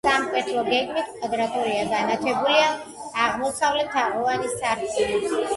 სამკვეთლო გეგმით კვადრატულია, განათებულია აღმოსავლეთ თაღოვანი სარკმლით.